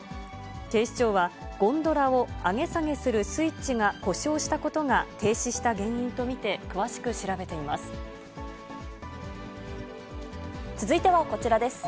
警視庁は、ゴンドラを上げ下げするスイッチが故障したことが、停止した原因続いてはこちらです。